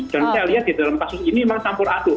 dan saya lihat di dalam kasus ini memang campur aduh